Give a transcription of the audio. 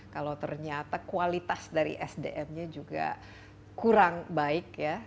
kalau ternyata kualitas dari sdm nya juga kurang baik ya